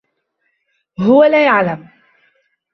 هو لا يعلم.